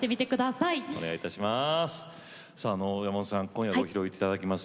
さあ山本さん今夜ご披露いただきます